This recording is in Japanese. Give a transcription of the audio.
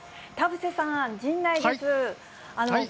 田臥さん、陣内です。